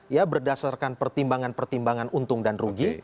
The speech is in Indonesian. ya berdasarkan pertimbangan pertimbangan untung dan rugi